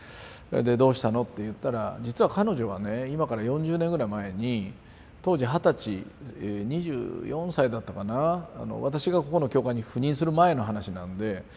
「どうしたの？」って言ったら実は彼女はね今から４０年ぐらい前に当時二十歳２４歳だったかな私がここの教会に赴任する前の話なんで。